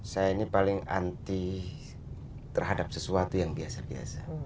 saya ini paling anti terhadap sesuatu yang biasa biasa